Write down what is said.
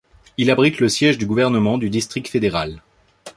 Il abrite le siège du gouvernement du District fédéral.